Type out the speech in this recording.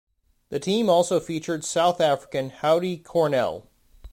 The team also featured South African Howdy Cornell.